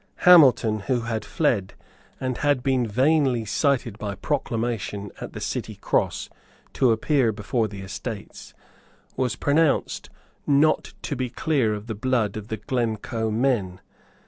Hamilton, who had fled and had been vainly cited by proclamation at the City Cross to appear before the Estates, was pronounced not to be clear of the blood of the Glencoe men.